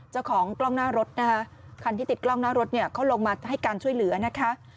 เจ้าของกล้องหน้ารถนะคะคันที่ติดกล้องหน้ารถเนี่ยเขาลงมาให้การช่วยเหลือนะคะ